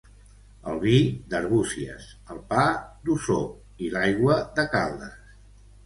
El vi, d'Arbúcies; el pa, d'Osor, i l'aigua, de Caldes.